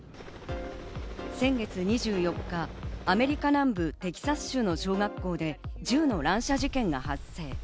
先月２４日、アメリカ南部テキサス州の小学校で銃の乱射事件が発生。